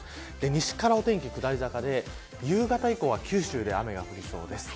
西からお天気下り坂で夕方以降は九州で雨が降りそうです。